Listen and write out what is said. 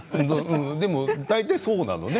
うんでも大体そうなのね。